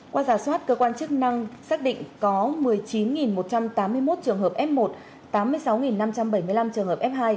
qua giả soát cơ quan chức năng xác định có một mươi chín một trăm tám mươi một trường hợp f một tám mươi sáu năm trăm bảy mươi năm trường hợp f hai